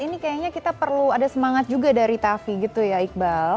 ini kayaknya kita perlu ada semangat juga dari tavi gitu ya iqbal